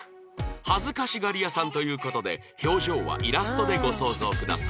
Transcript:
恥ずかしがり屋さんという事で表情はイラストでご想像ください